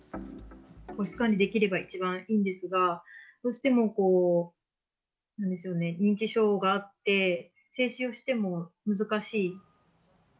個室管理できれば一番いいんですが、どうしてもこう、なんでしょう、認知症があって、制止をしても難しい。